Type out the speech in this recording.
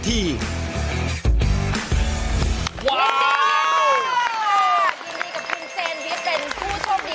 ยินดีกว่าพี่เจนพี่เป็นผู้ชมนี้